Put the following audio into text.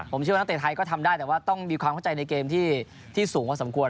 ผมเชื่อว่านักเตะไทยก็ทำได้แต่ว่าต้องมีความเข้าใจในเกมที่สูงพอสมควร